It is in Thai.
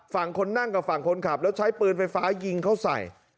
ฝั่งคนนั่งกับฝั่งคนขับแล้วใช้ปืนไฟฟ้ายิงเขาใส่